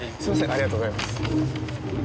ありがとうございます。